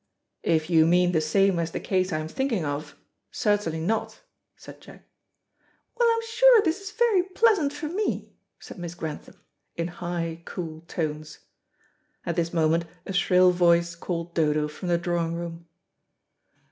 "If you mean the same as the case I'm thinking of, certainly not," said Jack. "Well, I'm sure this is very pleasant for me," said Miss Grantham, in high, cool tones. At this moment a shrill voice called Dodo from the drawing room.